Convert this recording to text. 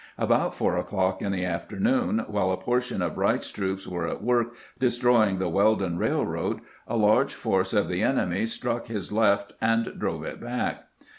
About four o'clock in the afternoon, while a portion of Wright's troops were at work destroying the Weldon Railroad, a large force of the enemy struck his left and drove it back.